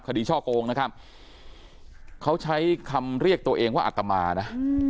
ช่อโกงนะครับเขาใช้คำเรียกตัวเองว่าอัตมานะ